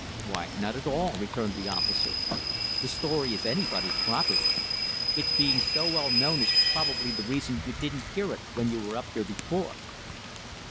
"Why, not at all," returned the officer. "The story is anybody's property. Its being so well known is probably the reason you didn't hear it when you were up here before.